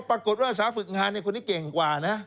ก็ปรากฏว่าสาธิกษ์งานในคนนี้เก่งกว่านะ